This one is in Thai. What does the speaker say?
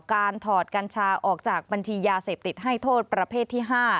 ถอดกัญชาออกจากบัญชียาเสพติดให้โทษประเภทที่๕